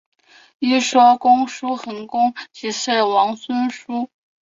一说王叔桓公即是王孙苏。